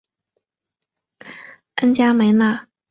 恩贾梅纳。